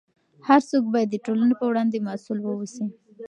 هر څوک باید د ټولنې په وړاندې مسؤل واوسي.